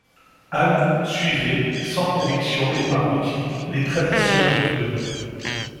Anne suivait, sans conviction et par routine, les traditions de Guillaume.